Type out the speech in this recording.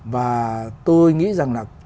và tôi nghĩ rằng là